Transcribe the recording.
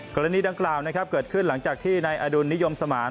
กรณีดังกล่าวเกิดขึ้นหลังจากในอนุนิยมสมาร์น